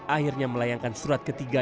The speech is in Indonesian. akhirnya melayangkan surat ketiga